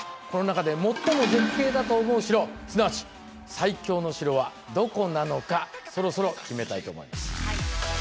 この中で最も絶景だと思う城すなわち最強の城はどこなのかそろそろ決めたいと思います。